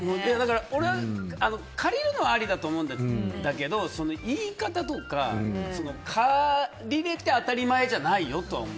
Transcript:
俺は借りるのはありだと思うんだけど言い方とか借りられて当たり前じゃなくて。